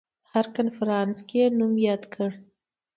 په هر کنفرانس کې یې نوم یاد کړ.